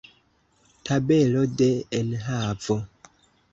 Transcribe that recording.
Tabelo de enhavo.